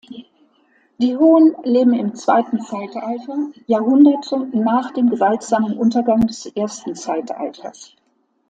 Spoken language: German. Die "Hohen" leben im zweiten Zeitalter, Jahrhunderte nach dem gewaltsamen Untergang des ersten Zeitalters.